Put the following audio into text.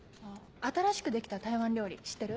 新しくできた台湾料理知ってる？